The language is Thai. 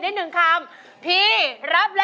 ดีใจมากครับ